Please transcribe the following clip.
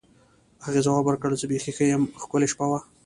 هغې ځواب ورکړ: زه بیخي ښه یم، ښکلې شپه وه.